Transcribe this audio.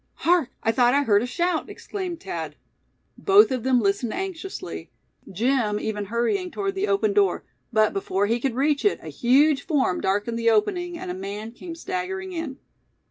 "Hark! I thought I heard a shout!" exclaimed Thad. Both of them listened anxiously; Jim even hurrying toward the open door; but before he could reach it, a huge form darkened the opening, and a man came staggering in.